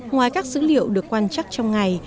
ngoài các dữ liệu được quan trắc trong ngày